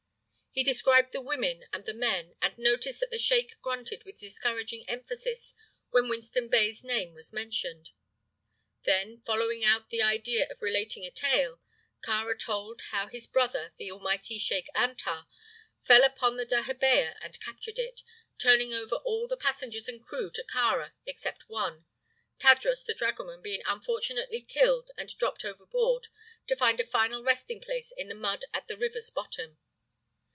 He described the women and the men, and noticed that the sheik grunted with discouraging emphasis when Winston Bey's name was mentioned. Then, following out the idea of relating a tale, Kāra told how his brother, the mighty sheik Antar, fell upon the dahabeah and captured it, turning over all the passengers and crew to Kāra except one Tadros the dragoman being unfortunately killed and dropped overboard to find a final resting place in the mud at the river's bottom.